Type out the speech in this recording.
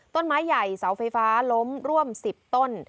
ต้นไม้ใหญ่เสาไฟฟ้าล้มร่วม๑๐ต้น